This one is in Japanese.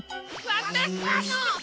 わたしの！